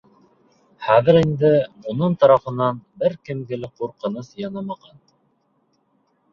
Хәҙер инде уның тарафынан бер кемгә лә ҡурҡыныс янамаған.